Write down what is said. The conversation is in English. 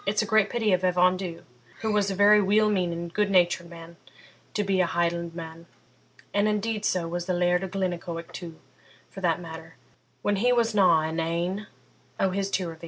It's a great pity of Evan Dhu, who was a very weel meaning, good natured man, to be a Hielandman; and indeed so was the Laird o' Glennaquoich too, for that matter, when he wasna in ane o' his tirrivies.'